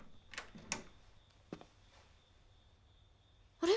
あれ？